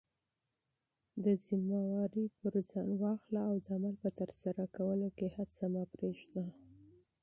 مسولیتونه پر ځان واخله او د عمل په ترسره کولو کې هڅه مه پریږده.